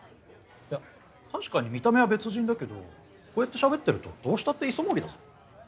いや確かに見た目は別人だけどこうやってしゃべってるとどうしたって磯森だぞ。